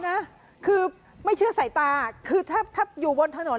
นะคือไม่เชื่อสายตาคือถ้าอยู่บนถนน